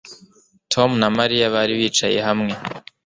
Tom na Mariya bari bicaye hamwe